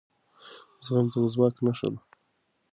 زغم د ځواک نښه ده